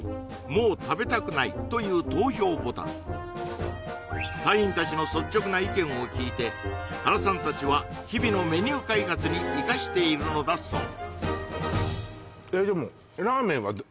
「もう食べたくない」という隊員たちの率直な意見を聞いて原さんたちは日々のメニュー開発に生かしているのだそう